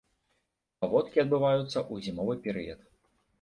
Паводкі адбываюцца ў зімовы перыяд.